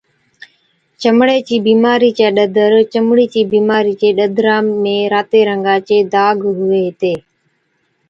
چمڙي چِي بِيمارِي چَي ڏَدر، چمڙي چِي بِيمارِي چي ڏَدرا ۾ راتي رنگا چي داگ هُوَي هِتي